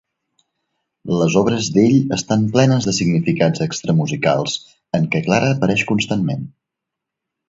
Les obres d'ell estan plenes de significats extramusicals, en què Clara apareix constantment.